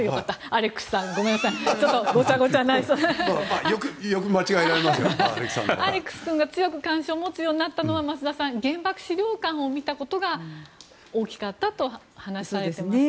アレックス君が強く関心を持つようになったのは原爆資料館を見たことが大きかったと話していましたね。